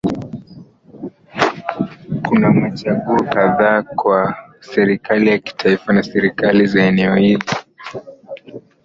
Kuna machaguo kadhaa kwa serikali ya kitaifa na serikali za eneo ili